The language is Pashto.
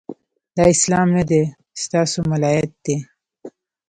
دا اسلام نه دی، د ستا سو ملایت دی